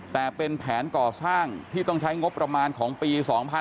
แต่เป็นแผนก่อสร้างที่ต้องใช้งบประมาณของปี๒๕๕๙